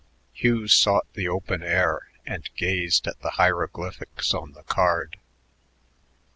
Hugh sought the open air and gazed at the hieroglyphics on the card.